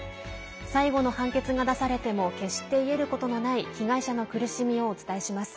最後の判決が出されても決して癒えることのない被害者の苦しみをお伝えします。